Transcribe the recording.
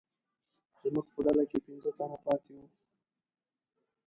زموږ په ډله کې پنځه تنه پاتې وو.